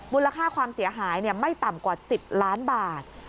มูลค่าความเสียหายไม่ต่ำกว่า๑๐ล้านบาท